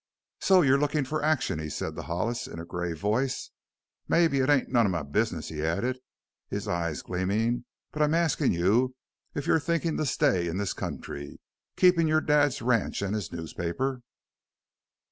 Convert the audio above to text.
"So you're lookin' for action?" he said to Hollis in a grave voice. "Mebbe it ain't none of my business," he added, his eyes gleaming, "but I'm askin' you if you're thinkin' to stay in this country keepin' your dad's ranch an' his newspaper?"